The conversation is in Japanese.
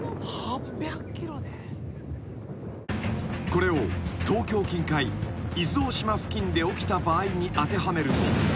・［これを東京近海伊豆大島付近で起きた場合に当てはめると］